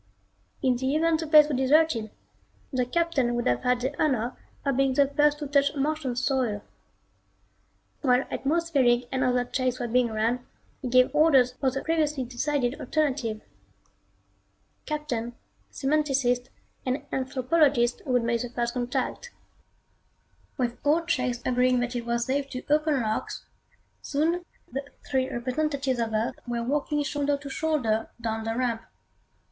In the event the place was deserted, the Captain would have had the honor of being the first to touch Martian soil. While atmospheric and other checks were being run, he gave orders for the previously decided alternative. Captain, semanticist and anthropologist would make the First Contact. With all checks agreeing that it was safe to open locks, soon the three representatives of Earth were walking shoulder to shoulder down the ramp.